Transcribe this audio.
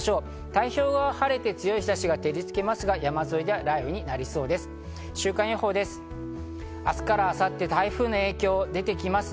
太平洋側は晴れて強い日差しが照りつけますが、山沿いでは雷雨になりそうです。